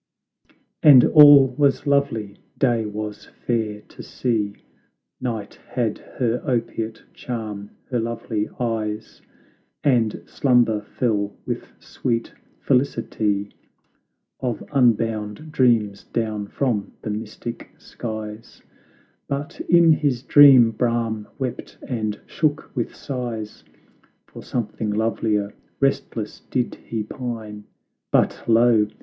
I And all was lovely: Day was fair to see; Night had her opiate charm, her lovely eyes; And slumber fell with sweet felicity Of unbound dreams down from the mystic skies: 27 tbt Divine enchantment But in his dream Brahm wept and shook with sighs For something lov'lier; restless did he pine; But lo!